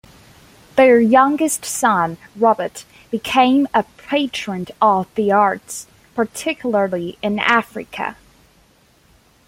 Their youngest son Robert became a patron of the arts, particularly in Africa.